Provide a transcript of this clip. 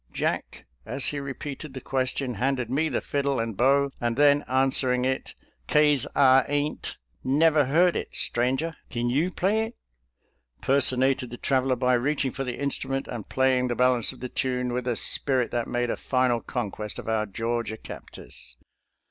" Jack, as he repeated the question, handed me the fiddle and bow, and then answer ing it, " 'Ca'se I ain't never heard it, stranger — kin you play it? " personated the traveler by reaching for the instrument and playing the bal ance of the tune with a spirit that made a final conquest of our Georgia captors.